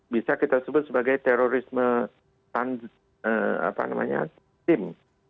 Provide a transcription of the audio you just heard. bisa kita sebut sebagai terorisme tim